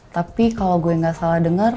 tapi kalau gue gak salah dengar